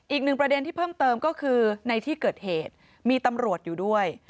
อีกหนึ่งประเด็นที่เพิ่มเติมก็คือในที่เกิดเหตุมีตำรวจอยู่ด้วย